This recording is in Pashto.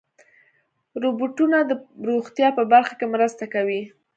روبوټونه د روغتیا په برخه کې مرسته کوي.